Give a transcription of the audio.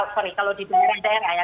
sorry kalau di daerah daerah ya